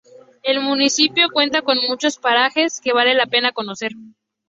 El municipio cuenta con muchos parajes que vale la pena conocer.